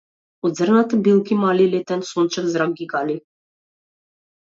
Од зрната билки мали - летен сончев зрак ги гали.